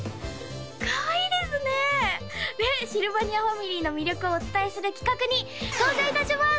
かわいいですねでシルバニアファミリーの魅力をお伝えする企画に登場いたします！